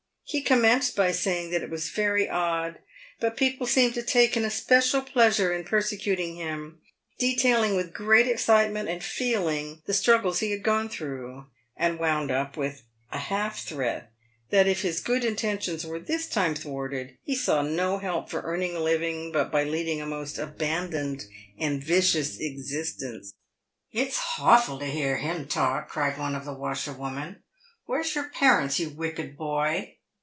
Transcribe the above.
He commenced by saying that it was very odd, but people seemed to take an especial pleasure in perse cuting him, detailing with great excitement and feeling the struggles he had gone through, and w r ound up with a half threat that if his good intentions were this time thwarted he saw no help for earning a living but by leading a most abandoned and vicious existence. "It's hawful to hear him talk," cried one of the washerwomen; " where's your parents, you wicked boy